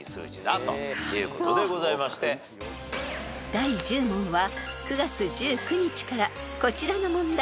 ［第１０問は９月１９日からこちらの問題］